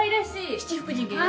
七福神が。